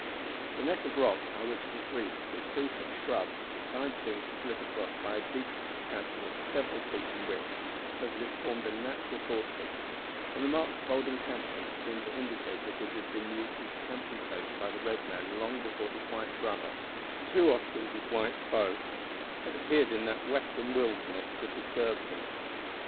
The neck of rock by which it was reached was free from shrubs, besides being split across by a deep chasm of several feet in width, so that it formed a natural fortress, and the marks of old encampments seemed to indicate that it had been used as a camping place by the red man long before his white brother too often his white foe had appeared in that western wilderness to disturb him.